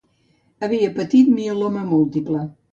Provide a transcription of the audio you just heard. Havia patit mieloma múltiple.